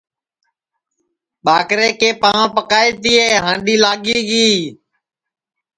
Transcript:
ٻاکرے کے پانٚؤ پکائے تیے ھانٚڈی لاگی گی